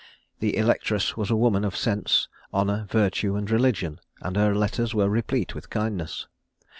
The electress was a woman of sense, honour, virtue, and religion; and her letters were replete with kindness.